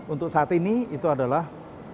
untuk saat ini itu adalah